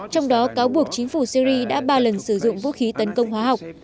trong đó cáo buộc chính phủ syri đã ba lần sử dụng vũ khí tấn công hóa học